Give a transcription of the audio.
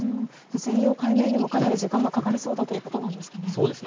全容解明にもかなり時間がかかりそうだということなんですね。